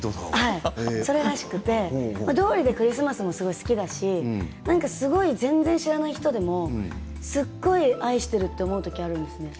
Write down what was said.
それらしくてどうりでクリスマスも好きだし全然知らない人でもすごい愛してると思うときがあるんです